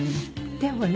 でもね